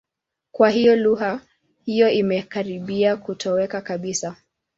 Kwa hiyo, lugha hiyo imekaribia kutoweka kabisa.